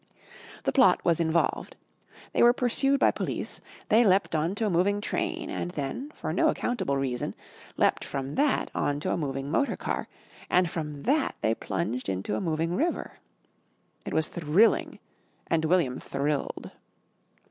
The plot was involved. They were pursued by police, they leapt on to a moving train and then, for no accountable reason, leapt from that on to a moving motor car and from that they plunged into a moving river. It was thrilling and William thrilled.